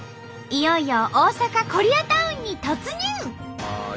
いよいよ大阪コリアタウンに突入！